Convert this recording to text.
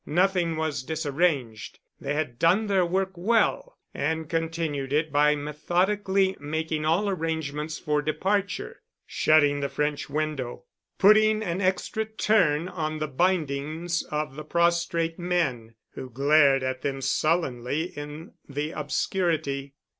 Nothing was disarranged. They had done their work well, and continued it by methodically making all arrangements for departure; shutting the French window, putting an extra turn on the bindings of the prostrate men, who glared at them sullenly in the obscurity.